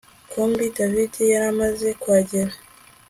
kumbe david yaramaze kuhagera